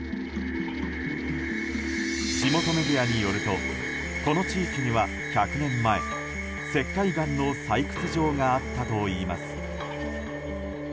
地元メディアによるとこの地域には、１００年前石灰岩の採掘場があったといいます。